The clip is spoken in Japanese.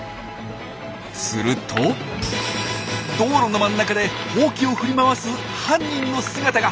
すると道路の真ん中でホウキを振り回す犯人の姿が！